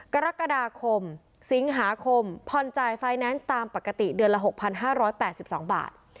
กรกฎาคมสิงหาคมผ่อนจ่ายไฟแนนซ์ตามปกติเดือนละ๖๕๘๒บาท